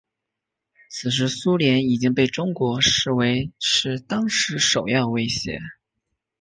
此时苏联已经被中国视为是当时首要威胁。